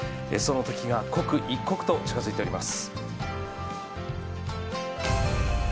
そのときが刻一刻と近づいております。